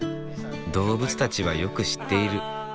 動物たちはよく知っている。